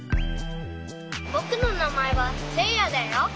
ぼくのなまえはせいやだよ。